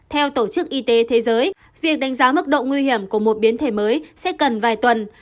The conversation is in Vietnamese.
theo tổ chức y tế thế giới việc đánh giá mức độ nguy hiểm của một biến thể mới sẽ cần vài tuần